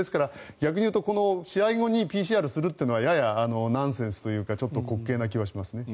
逆に言うと試合後にＰＣＲするというのはややナンセンスというかちょっと滑稽な気はします。